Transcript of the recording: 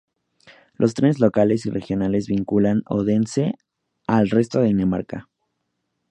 Los trenes locales y regionales vinculan Odense al resto de Dinamarca.